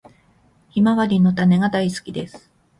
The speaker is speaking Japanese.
ヒマワリの種が大好きです。